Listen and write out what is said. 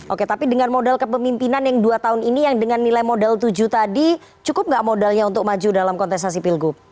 oke tapi dengan modal kepemimpinan yang dua tahun ini yang dengan nilai modal tujuh tadi cukup nggak modalnya untuk maju dalam kontestasi pilgub